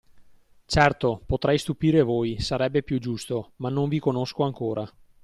Certo, potrei stupire voi, sarebbe più giusto, ma non vi conosco ancora.